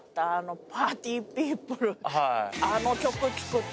あの曲聴くと。